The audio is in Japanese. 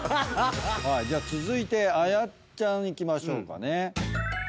じゃあ続いてあやっちゃんいきましょうかね。